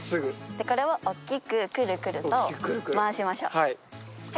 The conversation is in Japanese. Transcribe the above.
これを大きくくるくる回しましょう。